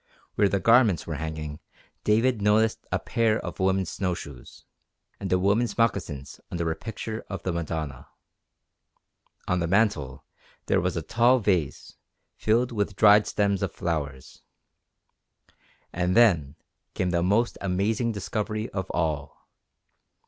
Where the garments were hanging David noticed a pair of woman's snow shoes, and a woman's moccasins under a picture of the Madonna. On the mantel there was a tall vase filled with the dried stems of flowers. And then came the most amazing discovery of all.